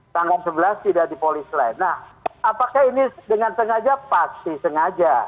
tanggal sebelas tidak di polis lain nah apakah ini dengan sengaja pasti sengaja